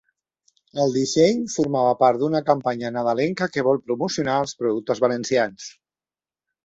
El disseny formava part d’una campanya nadalenca que vol promocionar els productes valencians.